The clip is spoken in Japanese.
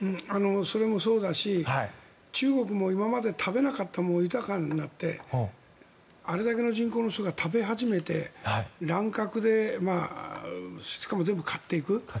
それもそうだし中国も今まで食べなかったものを豊かになってあれだけの人口の人が食べ始めて乱獲でしかも全部買っていく。